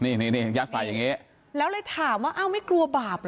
นี่นี่นี่ยักษ์ใส่อย่างเงี้ยแล้วเลยถามว่าอ้าวไม่กลัวบาปเหรอ